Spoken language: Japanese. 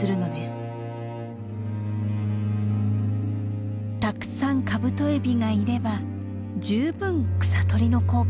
たくさんカブトエビがいれば十分草取りの効果があります。